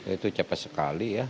itu cepat sekali ya